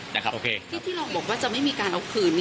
ที่เราบอกว่าจะไม่มีการเอาคืน